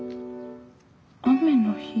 雨の日？